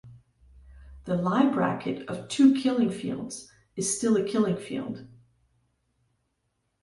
The Lie bracket of two Killing fields is still a Killing field.